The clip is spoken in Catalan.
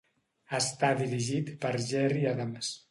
Està dirigit per Gerry Adams.